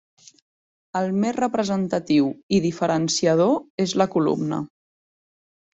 El més representatiu i diferenciador és la columna.